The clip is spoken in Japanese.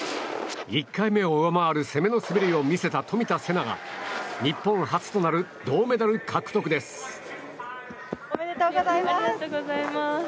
１回目を上回る攻めの滑りを見せた冨田せなが日本初となる銅メダル獲得です。